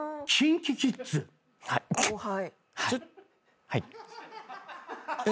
後輩。